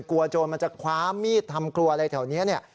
โจรมันจะคว้ามีดทำครัวอะไรแถวนี้เนี่ย